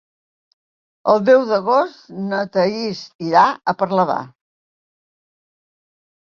El deu d'agost na Thaís irà a Parlavà.